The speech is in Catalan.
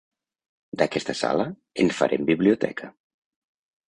D'aquesta sala, en farem biblioteca.